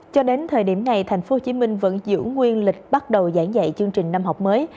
cho đến thời điểm này tp hcm vẫn giữ nguyên lịch bắt đầu giảng dạy chương trình năm học mới